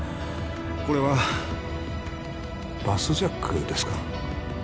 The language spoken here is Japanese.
これはバスジャックですか？